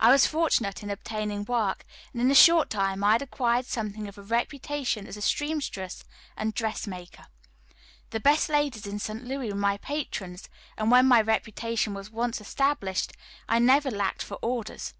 I was fortunate in obtaining work, and in a short time I had acquired something of a reputation as a seamstress and dress maker. The best ladies in St. Louis were my patrons, and when my reputation was once established I never lacked for orders.